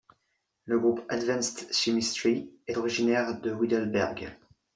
Le groupe Advanced Chemistry est originaire de Heidelberg.